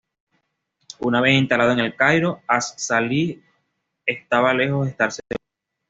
Una vez instalado en El Cairo, as-Sálih estaba lejos de estar seguro.